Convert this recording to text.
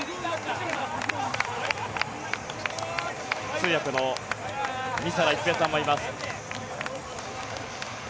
通訳の水原一平さんもいます。